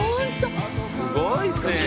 すごいっすね。